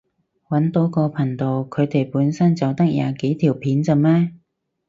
搵到個頻道，佢哋本身就得廿幾條片咋咩？